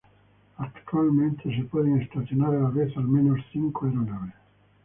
Actualmente, al menos cinco aeronaves pueden ser estacionadas a la vez.